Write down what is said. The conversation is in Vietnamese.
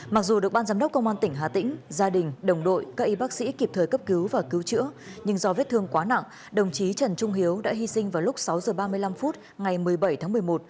mặc dù được ban giám đốc công an tỉnh hà tĩnh gia đình đồng đội các y bác sĩ kịp thời cấp cứu và cứu chữa nhưng do vết thương quá nặng đồng chí trần trung hiếu đã hy sinh vào lúc sáu h ba mươi năm phút ngày một mươi bảy tháng một mươi một